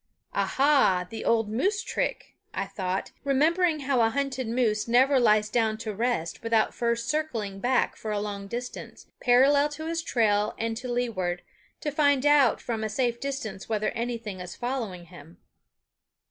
"Aha! the old moose trick," I thought, remembering how a hunted moose never lies down to rest without first circling back for a long distance, parallel to his trail and to leeward, to find out from a safe distance whether anything is following him.